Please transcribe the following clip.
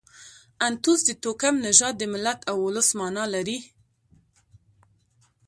انتوس د توکم، نژاد، د ملت او اولس مانا لري.